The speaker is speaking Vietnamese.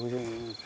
sợ không đủ